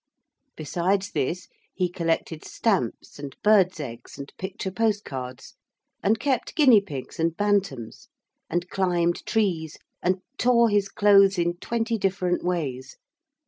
Besides this he collected stamps and birds' eggs and picture post cards, and kept guinea pigs and bantams, and climbed trees and tore his clothes in twenty different ways.